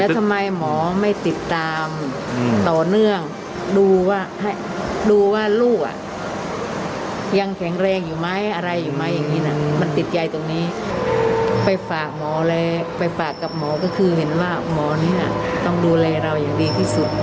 คือเห็นว่าหมอนี่อ่ะต้องดูแลเราอย่างดีที่สุด